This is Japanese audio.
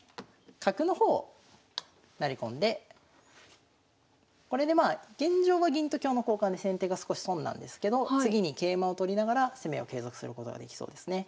角の方を成り込んでこれでまあ現状は銀と香の交換で先手が少し損なんですけど次に桂馬を取りながら攻めを継続することができそうですね。